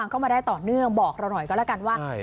ก็ไม่ได้ต่อเนื่องบอกเราหน่อยก็ละกันว่าใช่